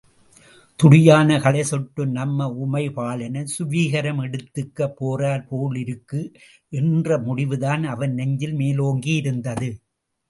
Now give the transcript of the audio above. துடியான களை சொட்டும் நம்ம உமைபாலனை சுவீகாரம் எடுத்துக்கப் போறார் போலிருக்கு! என்ற முடிவுதான் அவன் நெஞ்சில் மேலோங்கியிருந்தது.